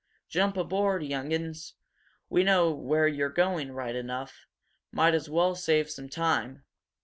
"Jump aboard, young 'uns! We know where you're going, right enough. Might as well save some time."